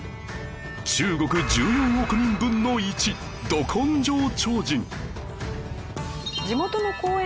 中国１４億人分の１ド根性超人